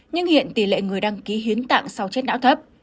nhưng hiện tỷ lệ người đăng ký hiến tạng sau chết não thấp